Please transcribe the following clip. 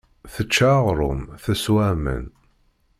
Tečča aɣrum, teswa aman.